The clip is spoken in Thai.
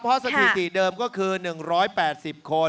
เพราะสถิติเดิมก็คือ๑๘๐คน